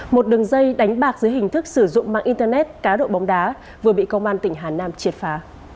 một đường dây đánh bạc dưới hình thức sử dụng mạng internet cá độ bóng đá vừa bị công an tỉnh hà nam triệt phá